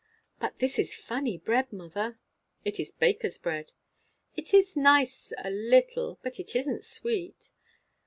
"But this is funny bread, mother." "It is baker's bread." "It is nice, a little, but it isn't sweet."